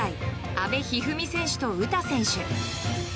阿部一二三選手と詩選手。